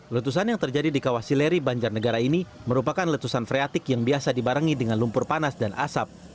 letusan yang terjadi di kawah sileri banjarnegara ini merupakan letusan freatik yang biasa dibarengi dengan lumpur panas dan asap